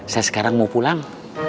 saya sekarang mau pulang